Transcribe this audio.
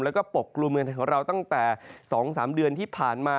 แล้วก็ปกกลุ่มเมืองไทยของเราตั้งแต่๒๓เดือนที่ผ่านมา